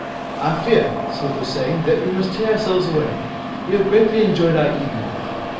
'I fear,' Psmith was saying, 'that we must tear ourselves away. We have greatly enjoyed our evening.